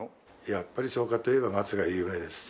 やっぱり草加といえば松が有名です。